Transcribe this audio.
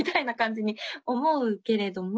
に思うけれども。